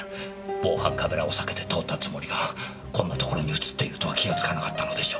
防犯カメラを避けて通ったつもりがこんなところに映っているとは気がつかなかったのでしょう。